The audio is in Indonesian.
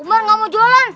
umar nggak mau jualan